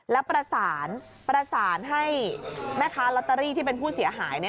แล้วประสานให้แม่ค้าลอตเตอรี่ที่เป็นผู้เสียหาย